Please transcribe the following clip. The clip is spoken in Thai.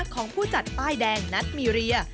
ของผู้จัดป้ายแดงนัทมีเรีย